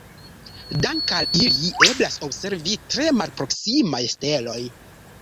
Dank'al ili eblas observi tre malproksimaj steloj.